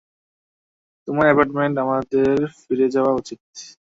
তোমার অ্যাপার্টমেন্টে আমাদের ফিরে যাওয়া উচিৎ!